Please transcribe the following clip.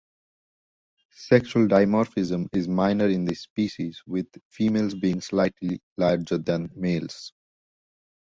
Sexual dimorphism is minor in this species with females being slightly larger than males.